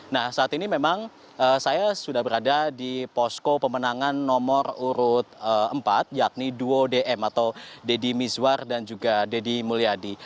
nah saat ini memang saya sudah berada di posko pemenangan nomor urut empat yakni duo dm atau deddy mizwar dan juga deddy mulyadi